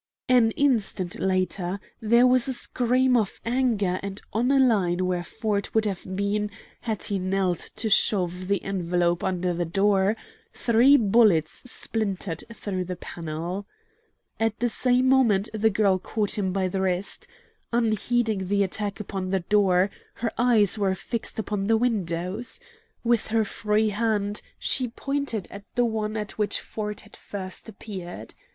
An instant later there was a scream of anger and on a line where Ford would have been, had he knelt to shove the envelope under the door, three bullets splintered through the panel. At the same moment the girl caught him by the wrist. Unheeding the attack upon the door, her eyes were fixed upon the windows. With her free hand she pointed at the one at which Ford had first appeared.